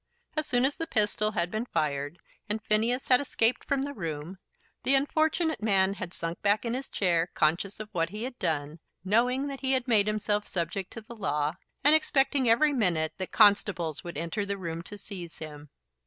As soon as the pistol had been fired and Phineas had escaped from the room, the unfortunate man had sunk back in his chair, conscious of what he had done, knowing that he had made himself subject to the law, and expecting every minute that constables would enter the room to seize him.